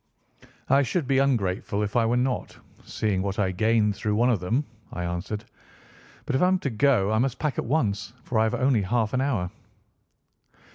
"I should be ungrateful if I were not, seeing what I gained through one of them," I answered. "But if I am to go, I must pack at once, for I have only half an hour."